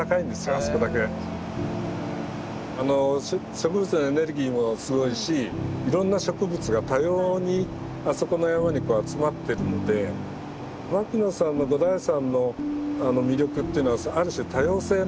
植物のエネルギーもすごいしいろんな植物が多様にあそこの山に集まってるので牧野さんの五台山の魅力っていうのはある種多様性なんですね。